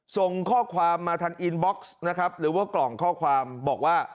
ส่งข้อความมาทางอินบ็อกซ์นะครับหรือว่ากล่องข้อความบอกว่า